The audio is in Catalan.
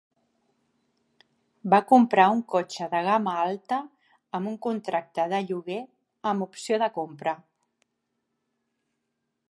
Va comprar un cotxe de gama alta amb un contracte de lloguer amb opció de compra.